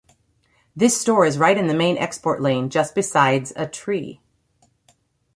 This store is right in the main export lane just besides a tree.